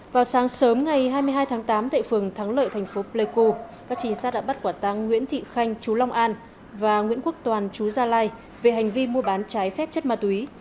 vào sáng sớm ngày hai mươi hai tháng tám tại phường thắng lợi thành phố pleiku các trinh sát đã bắt quả tăng nguyễn thị khanh chú long an và nguyễn quốc toàn chú gia lai về hành vi mua bán trái phép chất ma túy